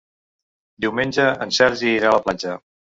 Diumenge en Sergi irà a la platja.